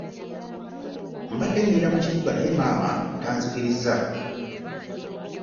Mbadde ngenda mu kibuga naye maama tanzikiriza.